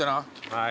はい。